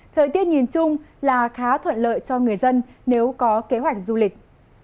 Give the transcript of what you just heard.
thời tiết nhìn chung là khá thuận lợi cho người dân nếu có kế hoạch du lịch